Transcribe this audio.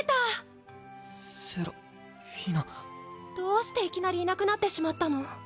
どうしていきなりいなくなってしまったの？